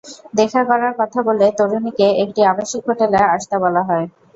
দেখা করার কথা বলে তরুণীকে একটি আবাসিক হোটেলে আসতে বলা হয়।